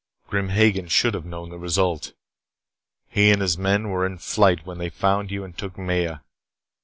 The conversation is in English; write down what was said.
Grim Hagen should have known the result. He and his men were in flight when they found you and took Maya.